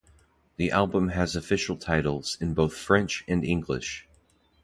The album has official titles in both French and English.